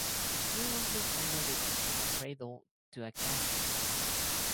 Here one could find everything from a cradle to a casket.